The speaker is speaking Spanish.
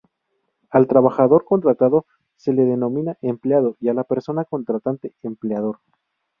Al trabajador contratado se le denomina empleado y a la persona contratante empleador.